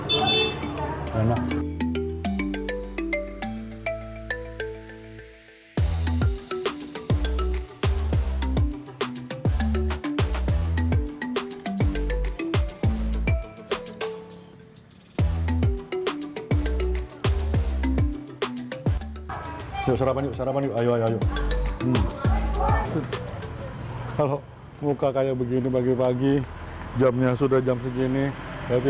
sarapan sarapan ayo ayo ayo kalau muka kayak begini pagi pagi jamnya sudah jam segini jadi